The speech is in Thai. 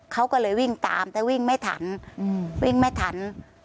เขาก็เลยวิ่งตามแต่วิ่งไม่ทันวิ่งไม่ทัน